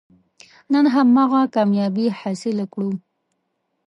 نن هماغه کامیابي حاصله کړو.